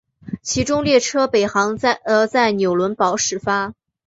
其中列车北行则在纽伦堡始发。